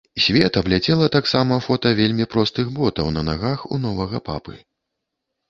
Свет абляцела таксама фота вельмі простых ботаў на нагах у новага папы.